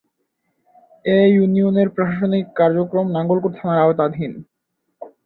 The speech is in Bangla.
এ ইউনিয়নের প্রশাসনিক কার্যক্রম নাঙ্গলকোট থানার আওতাধীন।